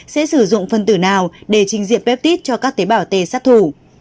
sẽ sử dụng phân tử nào để trình diện peptit cho các tế bào t sát thủ